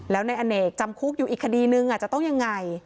แล้วในอเนกจำคุกอยู่อีกคดีนึงจะต้องยังไง